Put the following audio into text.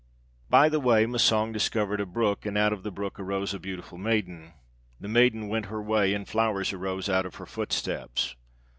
"By the way Massang discovered a brook, and out of the brook arose a beautiful maiden. The maiden went her way, and flowers arose out of her footsteps.